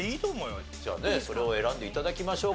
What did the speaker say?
じゃあねそれを選んで頂きましょうか。